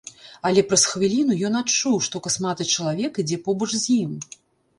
Але праз хвіліну ён адчуў, што касматы чалавек ідзе побач з ім.